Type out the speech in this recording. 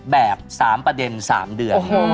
แบบ๓ประเด็น๓เดือน